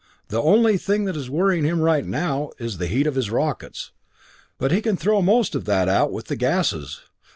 The only thing that is worrying him right now is the heat of his rockets. But he can throw most of that out with the gases.